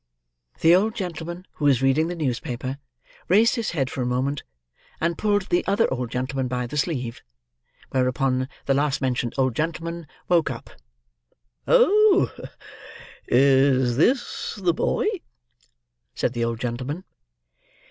The old gentleman who was reading the newspaper raised his head for a moment, and pulled the other old gentleman by the sleeve; whereupon, the last mentioned old gentleman woke up. "Oh, is this the boy?" said the old gentleman.